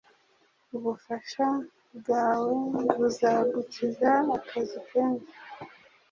Ubufasha bwawe buzadukiza akazi kenshi.